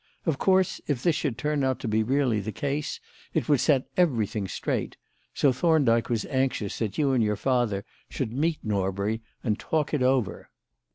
Of course, if this should turn out to be really the case, it would set everything straight; so Thorndyke was anxious that you and your father should meet Norbury and talk it over."